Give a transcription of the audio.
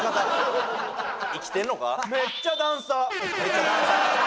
生きてんのか？